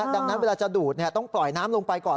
ดังนั้นเวลาจะดูดต้องปล่อยน้ำลงไปก่อน